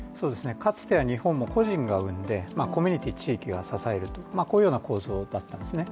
かつては日本も、個人が産んでコミュニティー、地域が支えるこういうような構造だったんですね。